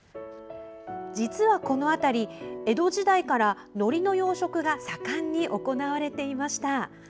実は、この辺り江戸時代からのりの養殖が盛んに行われていました。